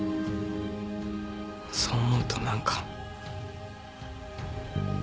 そう思うと何か。